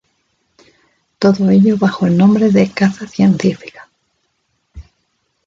Todo ello bajo el nombre de "caza científica".